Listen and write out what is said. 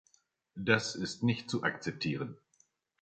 Das ist nicht zu akzeptieren.